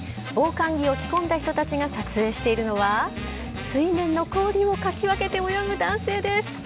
防寒着を着込んだ人たちが撮影しているのは、水面の氷をかき分けて泳ぐ男性です。